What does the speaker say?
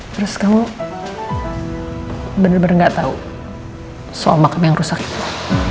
terus kamu bener bener gak tau soal makam yang rusak itu